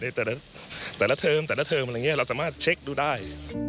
ในแต่ละเทอมเราสามารถเช็คดูได้